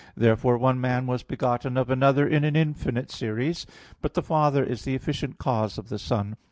Therefore one man was begotten of another in an infinite series. But the father is the efficient cause of the son (Phys. ii, text 5).